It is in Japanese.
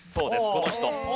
この人。